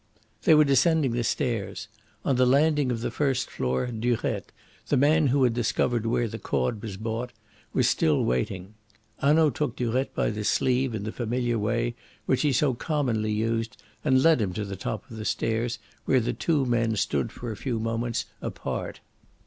They were descending the stairs. On the landing of the first floor Durette, the man who had discovered where the cord was bought, was still waiting. Hanaud took Durette by the sleeve in the familiar way which he so commonly used and led him to the top of the stairs, where the two men stood for a few moments apart.